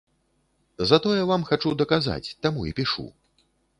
Затое вам хачу даказаць, таму і пішу.